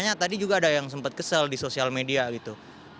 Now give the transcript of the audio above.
yang sempat kesel di sosial media gitu